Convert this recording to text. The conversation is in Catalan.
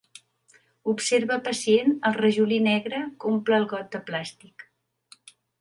Observa pacient el rajolí negre que omple el got de plàstic.